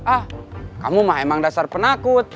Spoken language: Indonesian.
ah kamu mah emang dasar penakut